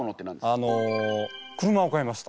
あの車を買いました。